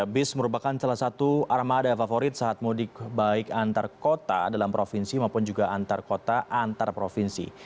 bis merupakan salah satu armada favorit saat mudik baik antar kota dalam provinsi maupun juga antar kota antar provinsi